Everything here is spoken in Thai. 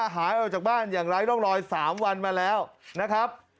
หายออกจากบ้านอย่างไร้ร่องรอย๓วันมาแล้วนะครับ